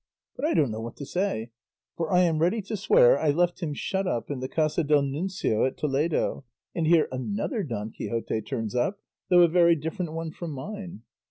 But I don't know what to say, for I am ready to swear I left him shut up in the Casa del Nuncio at Toledo, and here another Don Quixote turns up, though a very different one from mine."